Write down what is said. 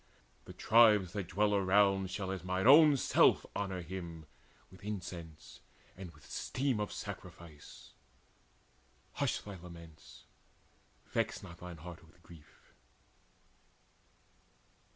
The tribes that dwell Around shall as mine own self honour him With incense and with steam of sacrifice. Hush thy laments, vex not thine heart with grief."